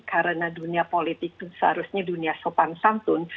karena dunia politik itu seharusnya dunia sopan santun